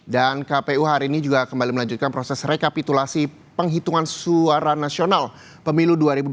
dan kpu hari ini juga kembali melanjutkan proses rekapitulasi penghitungan suara nasional pemilu dua ribu dua puluh empat